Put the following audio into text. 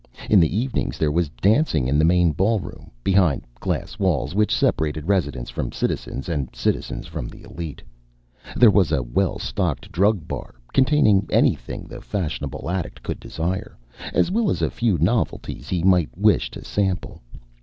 In the evenings there was dancing in the main ballroom, behind glass walls which separated residents from citizens and citizens from the elite. There was a well stocked drug bar containing anything the fashionable addict could desire, as well as a few novelties he might wish to sample.